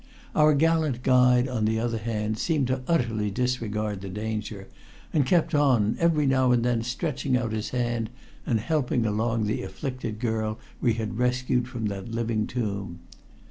Our gallant guide, on the other hand, seemed to utterly disregard the danger and kept on, every now and then stretching out his hand and helping along the afflicted girl we had rescued from that living tomb.